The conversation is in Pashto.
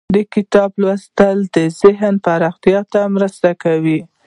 د کتاب لوستل ذهني پراختیا ته مرسته کوي.